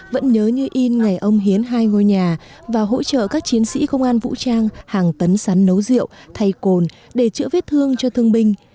vẫn nhớ như in ngày ông hiến hai ngôi nhà và hỗ trợ các chiến sĩ công an vũ trang hàng tấn sắn nấu rượu thay cồn để chữa vết thương cho thương binh